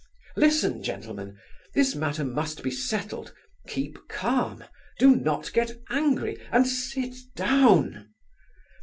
Listen, gentlemen; this matter must be settled; keep calm; do not get angry; and sit down!